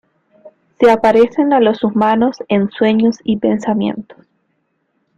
Se aparecen a los humanos en sueños y pensamientos.